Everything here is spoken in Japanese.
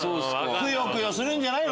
くよくよするんじゃないの？